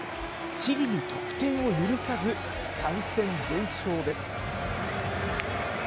チリに得点を許さず、３戦全勝です。